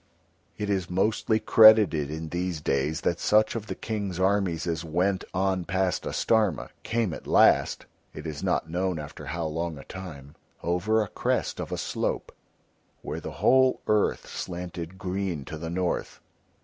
It is mostly credited in these days that such of the King's armies as went on past Astarma came at last (it is not known after how long a time) over a crest of a slope where the whole earth slanted green to the north.